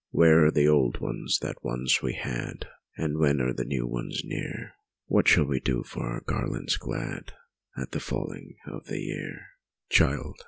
Where are the old ones that once we had, And when are the new ones near? What shall we do for our garlands glad At the falling of the year?" "Child!